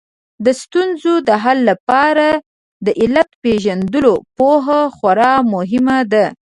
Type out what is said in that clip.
د ستونزو د حل لپاره د علت پېژندلو پوهه خورا مهمه ده